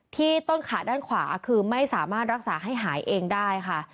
ต้นขาด้านขวาคือไม่สามารถรักษาให้หายเองได้ค่ะ